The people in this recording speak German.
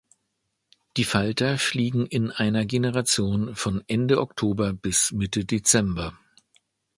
Die Falter fliegen in einer Generation von Ende Oktober bis Mitte Dezember.